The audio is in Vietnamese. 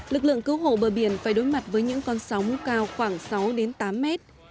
lực lượng cứu hộ bờ biển phải đối mặt với những con sóng cao khoảng sáu đến tám mét